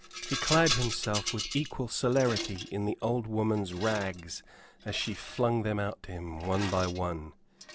He clad himself with equal celerity in the old woman's rags, as she flung them out to him one by one.